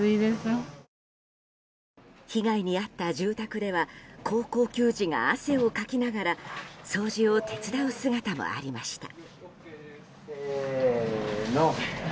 被害に遭った住宅では高校球児が汗をかきながら掃除を手伝う姿もありました。